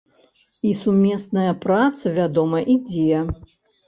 І сумесная праца, вядома, ідзе.